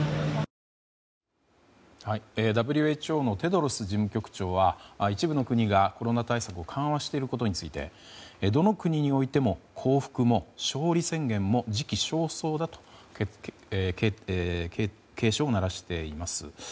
ＷＨＯのテドロス事務局長は一部の国がコロナ対策を緩和していることについてどの国においても降伏も勝利宣言も時期尚早だと警鐘を鳴らしています。